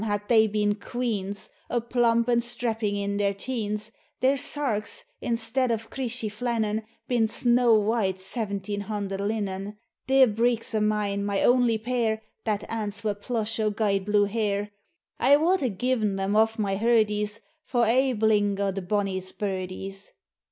had they been queans, A' plump and strapping in their teens : Their sarks, instead of creeshie flannen, Been snaw white seventeen hunder linen ; Thir breeks o' mine, my only pair, That ance were plush, o' guid blue hair, I wad hae gi'en them off my hurdies For ae blink o' the bonnie burdies